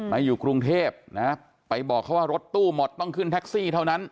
อยู่กรุงเทพนะไปบอกเขาว่ารถตู้หมดต้องขึ้นแท็กซี่เท่านั้น